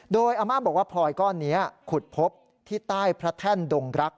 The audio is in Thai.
โดยอาม่าบอกว่าพลอยก้อนนี้ขุดพบที่ใต้พระแท่นดงรัก